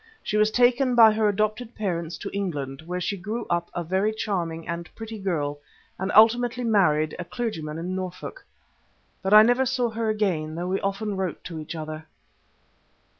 She was taken by her adopted parents to England, where she grew up a very charming and pretty girl, and ultimately married a clergyman in Norfolk. But I never saw her again, though we often wrote to each other.